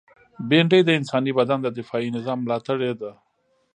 بېنډۍ د انساني بدن د دفاعي نظام ملاتړې ده